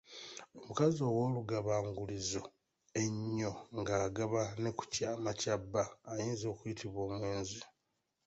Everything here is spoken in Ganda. Omukazi ow'olugabangulizo ennyo ng'agaba ne ku kyama kya bba ayinza okuyitibwa omwenzi.